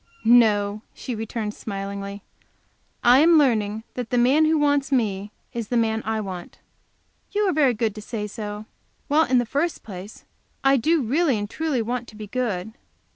"No," she returned smilingly, "I am learning that the man who wants me is the man I want." "You are very good to say so. Well, in the first place, I do really and truly want to be good.